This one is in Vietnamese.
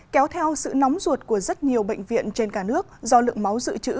kéo theo sự nóng ruột của rất nhiều bệnh viện trên cả nước do lượng máu dự trữ